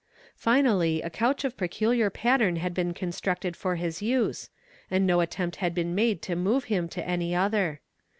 Finally a couch of peculiar pattern had been con structed for his use, and no attempt had been made to move him to any other.